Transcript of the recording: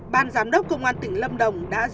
ban giám đốc công an tỉnh lâm đồng đã giao